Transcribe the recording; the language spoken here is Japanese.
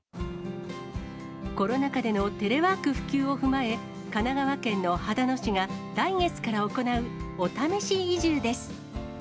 コロナ禍でのテレワーク普及を踏まえ、神奈川県の秦野市が来月から行うお試し移住です。